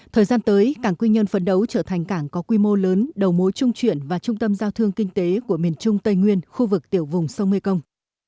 thời gian tới cảng quy nhơn phấn đấu trở thành cảng có quy mô lớn đầu mối trung chuyển và trung tâm giao thương kinh tế của miền trung tây nguyên khu vực tiểu vùng sông mekong